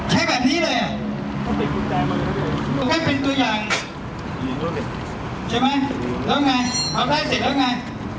ไหนทำมันไง